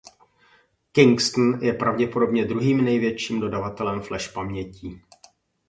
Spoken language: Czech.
Kingston je pravděpodobně druhým největším dodavatelem flash pamětí.